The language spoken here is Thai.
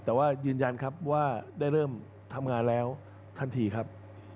แต่ว่ายืนยันครับว่าได้เริ่มทำงานแล้วทันทีครับ